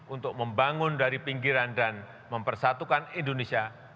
untuk membangun dari pinggiran dan mempersatukan indonesia